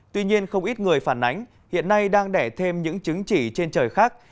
tuy nhiên không ít người phản ánh hiện nay đang đẻ thêm những chứng chỉ trên trời khác